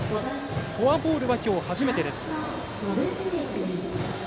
フォアボールは今日初めて。